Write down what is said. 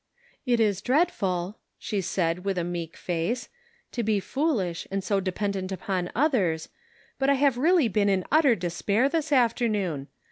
" It is dreadful," she said, with a meek face, " to be so foolish and so dependent upon others, but I have really been in utter despair this afternoon.